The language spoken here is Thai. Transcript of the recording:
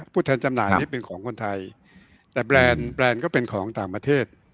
ผู้แทนจำหน่ายนี้เป็นของคนไทยแต่แบรนด์แบรนด์ก็เป็นของต่างประเทศ